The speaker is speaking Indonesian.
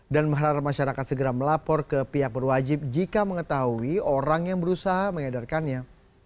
dan maharan masyarakat segera melapor ke pihak berwajib jika mengetahui orang yang berusaha mengedarkannya